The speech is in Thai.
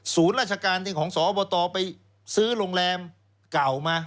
ราชการที่ของสอบตไปซื้อโรงแรมเก่ามา